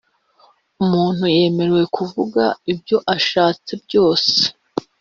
umuntu yemerewe kuvuga ibyo ashatse byose